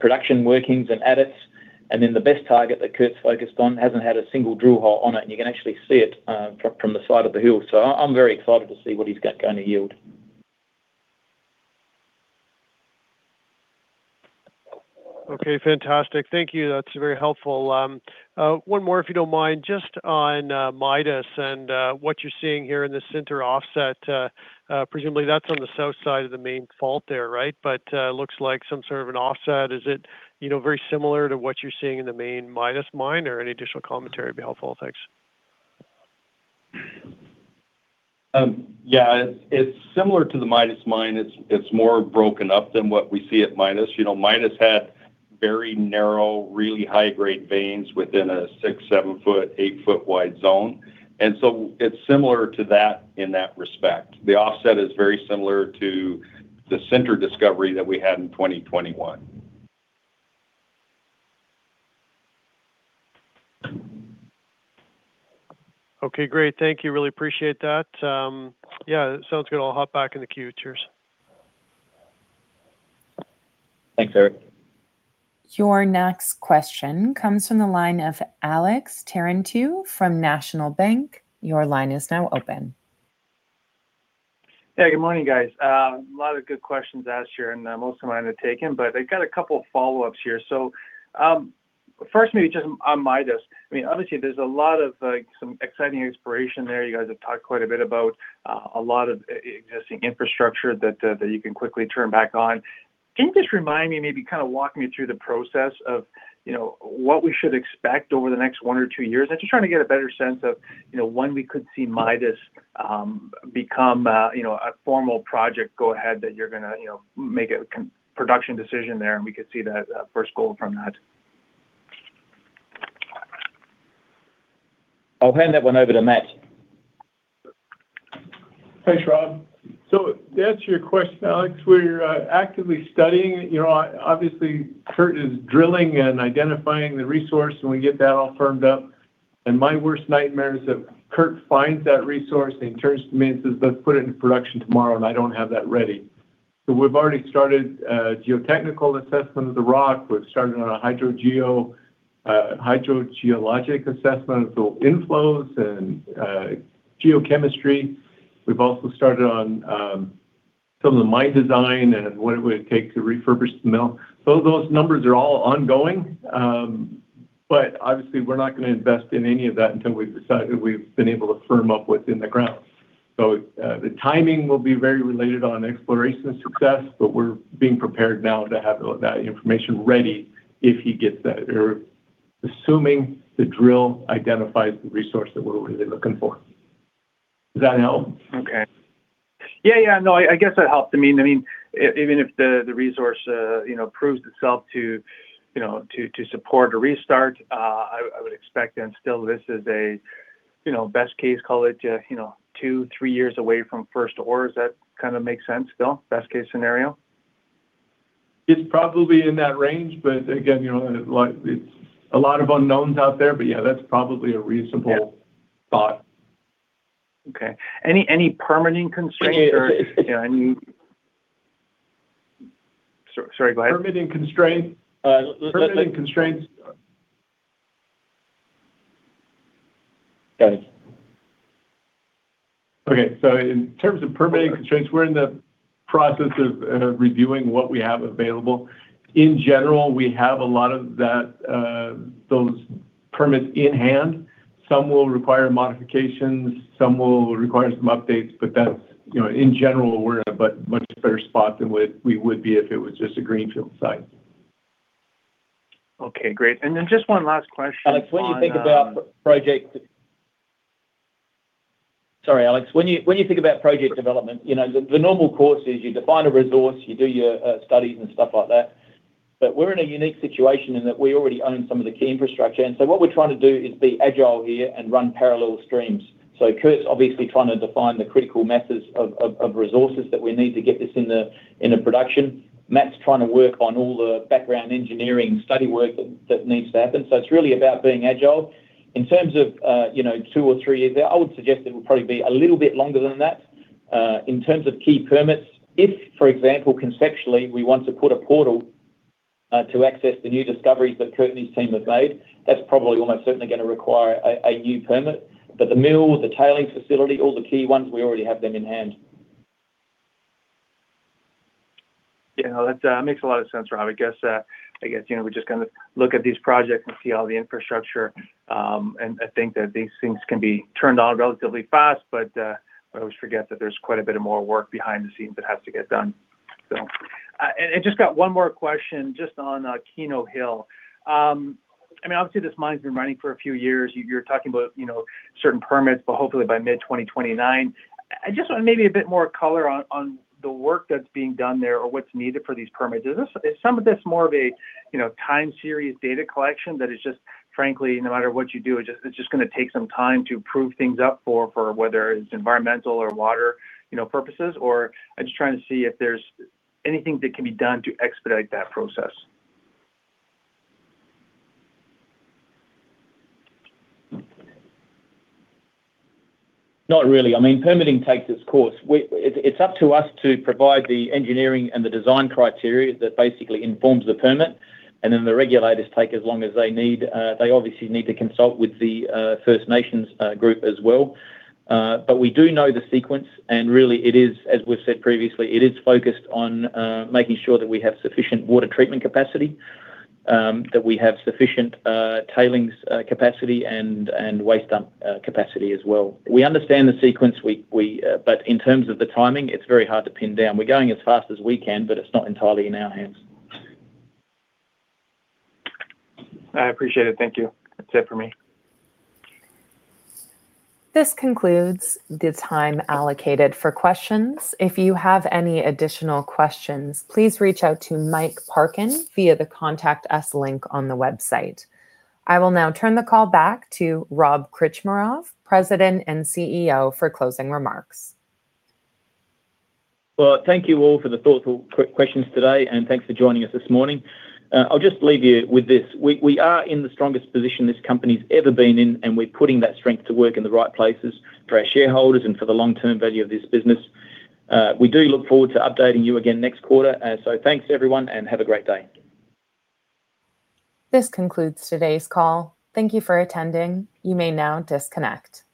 production workings and adits. The best target that Kurt's focused on hasn't had a single drill hole on it, and you can actually see it from the side of the hill. I'm very excited to see what he's going to yield. Okay, fantastic. Thank you. That's very helpful. One more, if you don't mind, just on Midas and what you're seeing here in the center offset. Presumably, that's on the south side of the main fault there, right? It looks like some sort of an offset. Any additional commentary would be helpful. Thanks. Yeah. It's similar to the Midas Mine. It's more broken up than what we see at Midas. Midas had very narrow, really high-grade veins within a 6 ft-7 ft, 8 ft wide zone. It's similar to that in that respect. The offset is very similar to the center discovery that we had in 2021. Okay, great. Thank you. Really appreciate that. Yeah, that sounds good. I'll hop back in the queue. Cheers. Thanks, Eric. Your next question comes from the line of Alex Terentiew from National Bank. Your line is now open. Yeah. Good morning, guys. A lot of good questions asked here. Most of them I have taken, but I've got a couple of follow-ups here. First, maybe just on Midas, obviously there's a lot of some exciting exploration there. You guys have talked quite a bit about a lot of existing infrastructure that you can quickly turn back on. Can you just remind me, maybe walk me through the process of what we should expect over the next one or two years? I'm just trying to get a better sense of, one, we could see Midas become a formal project go-ahead that you're going to make a production decision there, and we could see that first gold from that. I'll hand that one over to Matt. Thanks, Rob. To answer your question, Alex, we're actively studying. Obviously, Kurt is drilling and identifying the resource, and we get that all firmed up. My worst nightmare is if Kurt finds that resource and turns to me and says, "Let's put it into production tomorrow," and I don't have that ready. We've already started geotechnical assessment of the rock. We've started on a hydrogeologic assessment, inflows and geochemistry. We've also started on some of the mine design and what it would take to refurbish the mill. Those numbers are all ongoing. Obviously, we're not going to invest in any of that until we've been able to firm up what's in the ground. The timing will be very related on exploration success, but we're being prepared now to have that information ready if he gets that, or assuming the drill identifies the resource that we're really looking for. Does that help? Okay. Yeah. No, I guess that helped. Even if the resource proves itself to support a restart, I would expect then still this is a best case, call it two, three years away from first ores. That kind of makes sense still? Best case scenario? It's probably in that range. Again, it's a lot of unknowns out there. Yeah, that's probably a reasonable. Yeah thought. Okay. Any permitting constraints or any Sorry, go ahead. Permitting constraints? Got it. Okay. In terms of permitting constraints, we're in the process of reviewing what we have available. In general, we have a lot of those permits in hand. Some will require modifications, some will require some updates, but that's in general, we're in a much better spot than we would be if it was just a greenfield site. Okay, great. Then just one last question on- Alex. When you think about project development, the normal course is you define a resource, you do your studies and stuff like that. We're in a unique situation in that we already own some of the key infrastructure. What we're trying to do is be agile here and run parallel streams. Kurt's obviously trying to define the critical methods of resources that we need to get this into production. Matt's trying to work on all the background engineering study work that needs to happen. It's really about being agile. In terms of two or three years, I would suggest it will probably be a little bit longer than that. In terms of key permits, if, for example, conceptually, we want to put a portal to access the new discoveries that Kurt and his team have made, that's probably almost certainly going to require a new permit. The mill, the tailing facility, all the key ones, we already have them in hand. That makes a lot of sense, Rob. I guess, we're just going to look at these projects and see all the infrastructure, think that these things can be turned on relatively fast. I always forget that there's quite a bit of more work behind the scenes that has to get done. I just got one more question just on Keno Hill. Obviously, this mine's been running for a few years. You're talking about certain permits, but hopefully by mid-2029. I just want maybe a bit more color on the work that's being done there or what's needed for these permits. Is some of this more of a time series data collection that is just frankly, no matter what you do, it's just going to take some time to prove things up for whether it's environmental or water purposes? I'm just trying to see if there's anything that can be done to expedite that process. Not really. Permitting takes its course. It's up to us to provide the engineering and the design criteria that basically informs the permit, the regulators take as long as they need. They obviously need to consult with the First Nations group as well. We do know the sequence, really it is, as we've said previously, it is focused on making sure that we have sufficient water treatment capacity, that we have sufficient tailings capacity, and waste dump capacity as well. We understand the sequence, in terms of the timing, it's very hard to pin down. We're going as fast as we can, it's not entirely in our hands. I appreciate it. Thank you. That's it for me. This concludes the time allocated for questions. If you have any additional questions, please reach out to Mike Parkin via the Contact Us link on the website. I will now turn the call back to Rob Krcmarov, President and CEO, for closing remarks. Well, thank you all for the thoughtful questions today. Thanks for joining us this morning. I'll just leave you with this. We are in the strongest position this company's ever been in. We're putting that strength to work in the right places for our shareholders and for the long-term value of this business. We do look forward to updating you again next quarter. Thanks, everyone, and have a great day. This concludes today's call. Thank you for attending. You may now disconnect.